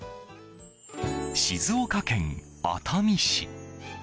静岡県熱海市。